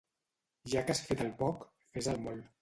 Ja que has fet el poc, fes el molt.